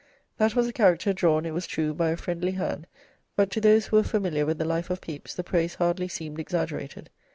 "That was a character drawn, it was true, by a friendly hand, but to those who were familiar with the life of Pepys, the praise hardly seemed exaggerated.